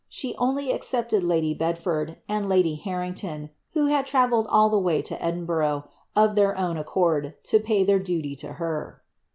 She only accepted lady Bedford, and lady Harrington, who had traveiie.i all the way to Edinburgh, of their own accord, to pay their duly to her.